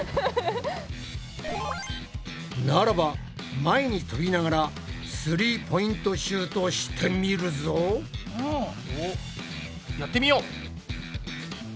ならば前にとびながらスリーポイントシュートしてみるぞ。やってみよう！